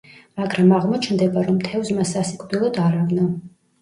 მაგრამ აღმოჩნდება, რომ თევზმა სასიკვდილოდ არ ავნო.